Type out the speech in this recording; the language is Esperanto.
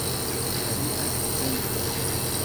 Alia ekzemplo